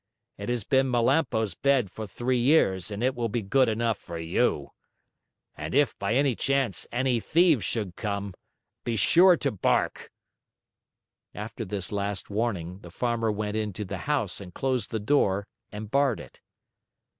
It has been Melampo's bed for three years, and it will be good enough for you. And if, by any chance, any thieves should come, be sure to bark!" After this last warning, the Farmer went into the house and closed the door and barred it.